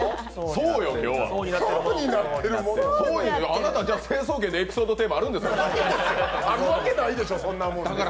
あなた、じゃあ成層圏のエピソードテーマあるんですか。